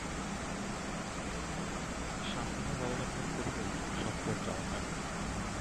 শান্তভাব অবলম্বন করিলেই সত্যের জয় হয়।